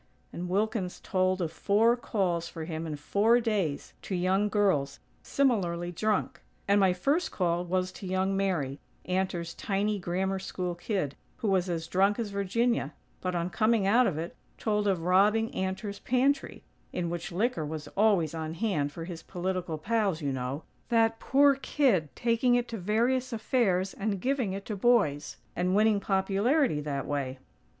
and Wilkins told of four calls for him in four days, to young girls, similarly drunk. "And my first call was to young Mary Antor's tiny Grammar School kid, who was as drunk as Virginia; but, on coming out of it, told of robbing Antor's pantry, in which liquor was always on hand for his political pals, you know; that poor kid taking it to various affairs and giving it to boys; and winning 'popularity' that way."